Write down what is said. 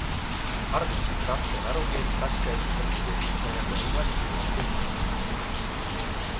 Arnošt Hrad se narodil v pražské čtvrti Bohnice jako nejmladší ze čtyř dětí.